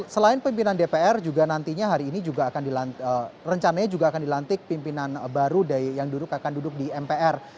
selain pimpinan dpr juga nantinya hari ini juga rencananya juga akan dilantik pimpinan baru yang akan duduk di mpr